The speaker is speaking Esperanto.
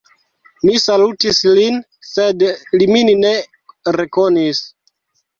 Mi salutis lin, sed li min ne rekonis.